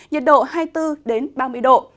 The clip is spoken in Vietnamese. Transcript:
nhiệt độ hai mươi bốn ba mươi độ